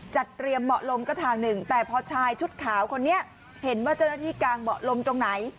จัดเตรียมเบาะลมก็ทางหนึ่งแต่พอชายชุดขาวคนนี้เห็นว่าเจ้าหน้าที่กางเบาะลมตรงไหน